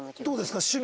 どうですか？